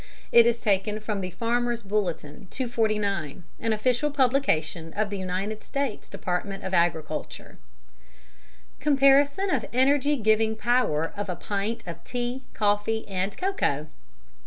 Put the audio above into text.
It is taken from the Farmer's Bulletin 249, an official publication of the United States Department of Agriculture: COMPARISON OF ENERGY GIVING POWER OF A PINT OF TEA, COFFEE AND COCOA.